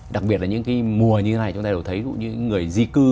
đặc biệt là những cái mùa như thế này chúng ta đều thấy những người di cư